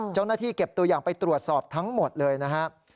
เจ้าหน้าที่เก็บตัวอย่างไปตรวจสอบทั้งหมดเลยนะครับ